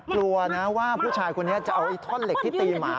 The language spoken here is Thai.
กลัวนะว่าผู้ชายคนนี้จะเอาไอ้ท่อนเหล็กที่ตีหมา